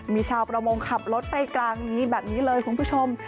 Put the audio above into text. มีชาวประมงขับรถไปกลางนี้แบบนี้เลยคุณผู้ชม